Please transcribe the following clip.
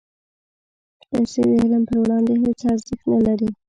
پېسې د علم پر وړاندې هېڅ ارزښت نه لري.